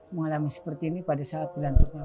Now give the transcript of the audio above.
mengalami seperti ini pada saat bulan pertama